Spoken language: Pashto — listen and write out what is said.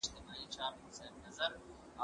زه به سبا سندري اورم وم!.